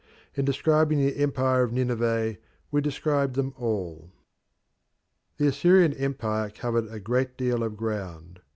In describing the empire of Nineveh we describe them all. The Assyrian empire covered a great deal of ground.